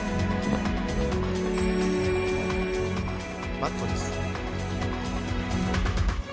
マットです。